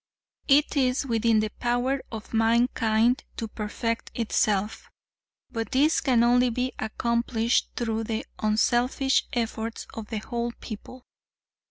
It is within the power of mankind to perfect itself, but this can only be accomplished through the unselfish efforts of the whole people.